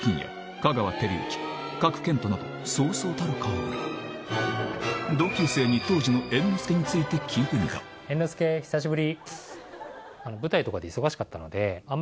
香川照之賀来賢人などそうそうたる顔ぶれ同級生に当時の猿之助について聞いてみた猿之助久しぶり。